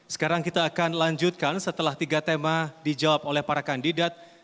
sekarang kita akan lanjutkan setelah tiga tema dijawab oleh para kandidat